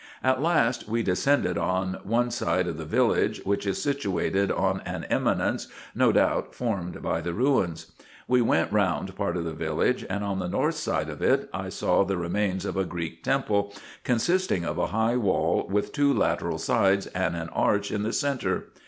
At last, we descended on one side of the village, which is situated on an eminence, no doubt formed by the ruins. We went round part of the village, and on the north side of it I saw the remains of a Greek temple, consisting of a high wall with two lateral sides, and an arch in the centre.